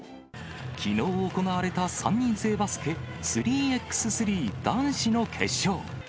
きのう行われた３人制バスケ、３×３男子の決勝。